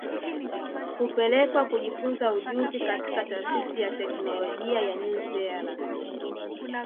Hupelekwa kujifunza ujuzi katika Taasisi ya Teknolojia ya New Zealand